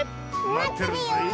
まってるよ！